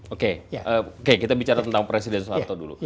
oke oke kita bicara tentang presiden soeharto dulu